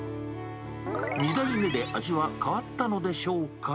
２代目で味は変わったのでしょう